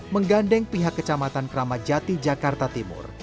menggandeng pihak kecamatan kramajati jakarta timur